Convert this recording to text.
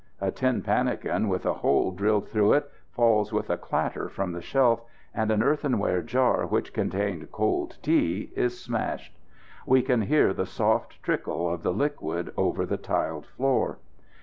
A tin pannikin, with a hole drilled through it, falls with a clatter from the shelf, and an earthenware jar which contained cold tea is smashed. We can hear the soft trickle of the liquid over the tiled floor.